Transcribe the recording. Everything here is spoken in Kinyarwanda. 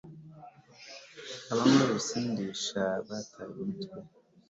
Abanywi bibisindisha abataye umutwe